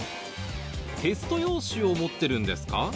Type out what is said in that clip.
テスト用紙を持ってるんですか？